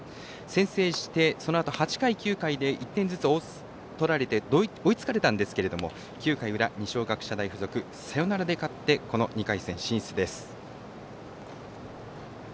先制して、そのあと８回、９回で１点ずつ取られて追いつかれたんですけども９回裏二松学舎大付属サヨナラで勝って２回戦進出です。